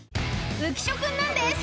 ［浮所君なんです！］